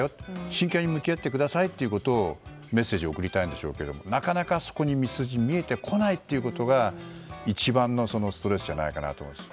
真剣に向き合ってくださいというメッセージを送りたいんでしょうけどなかなかそこに道筋が見えてこないことが一番のストレスじゃないかと思います。